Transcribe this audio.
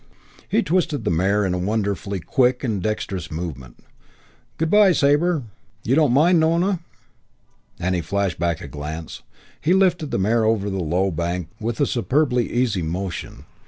He twisted the mare in a wonderfully quick and dexterous movement. "Good by, Sabre. You don't mind, Nona?" And he flashed back a glance. He lifted the mare over the low bank with a superbly easy motion.